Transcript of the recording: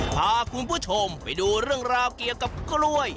พาคุณผู้ชมไปดูเรื่องราวเกี่ยวกับกล้วย